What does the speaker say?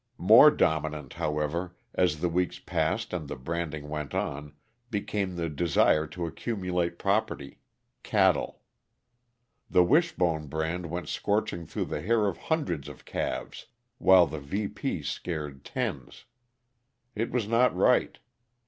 More dominant, however, as the weeks passed and the branding went on, became the desire to accumulate property cattle. The Wishbone brand went scorching through the hair of hundreds of calves, while the VP scared tens. It was not right.